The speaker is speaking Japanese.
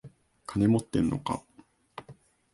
金持ってんのか？